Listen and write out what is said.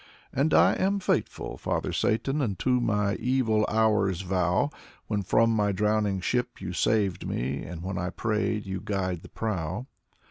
And I am faithful. Father Satan^ Unto my evil hour's vow. When from my drowning ship you saved me And when I prayed you guide the prow.